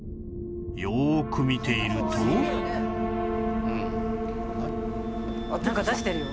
よーく見ているとなんか出してるよ。